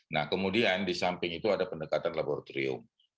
nah kemudian di samping itu ada pendekatan laboratorium